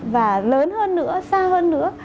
và lớn hơn nữa xa hơn nữa